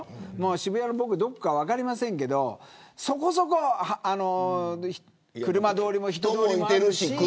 渋谷のどこか分かりませんけどそこそこ車通りも人通りもあるし